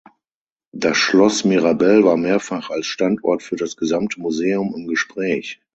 Das Schloss Mirabell war mehrfach als Standort für das gesamte Museum im Gespräch.